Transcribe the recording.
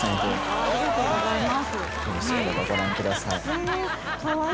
ありがとうございます。